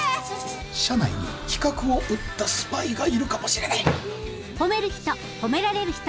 社内に企画を売ったスパイがいるかもしれない。